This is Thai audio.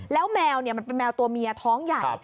แล้วแมวมันเป็นแมวตัวเมียท้องใหญ่